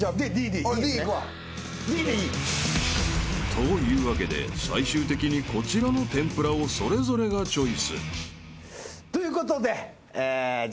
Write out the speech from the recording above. ［というわけで最終的にこちらの天ぷらをそれぞれがチョイス］ということでじゃあいきますか。